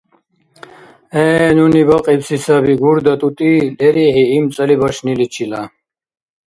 ГӀе, нуни бакьибси саби гурда тӀутӀи лерихӀи имцӀали башниличила.